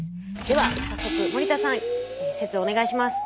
では早速森田さん説をお願いします！